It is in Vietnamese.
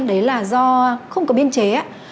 đấy là do không có biên chế